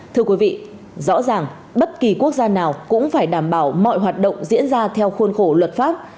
thưa quý vị rõ ràng bất kỳ quốc gia nào cũng phải đảm bảo mọi hoạt động diễn ra theo khuôn khổ luật pháp